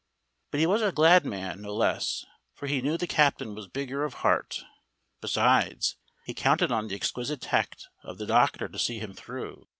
But he was a glad man no less, for he knew the captain was bigger of heart. Besides, he counted on the exquisite tact of the doctor to see him through.